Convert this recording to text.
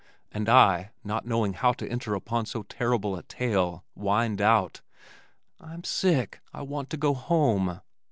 And I, not knowing how to enter upon so terrible a tale, whined out, "I'm sick, I want to go home."